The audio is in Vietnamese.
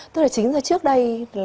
tức là chính là trước đây